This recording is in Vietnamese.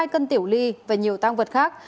hai cân tiểu ly và nhiều tăng vật khác